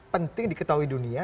penting diketahui dunia